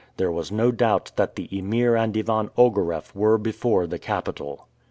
There was no doubt that the Emir and Ivan Ogareff were before the capital.